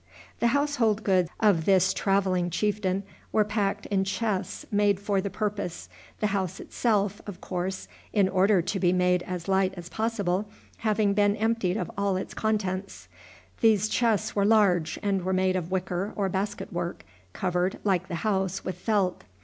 The household goods of this traveling chieftain were packed in chests made for the purpose, the house itself, of course, in order to be made as light as possible, having been emptied of all its contents. These chests were large, and were made of wicker or basket work, covered, like the house, with felt.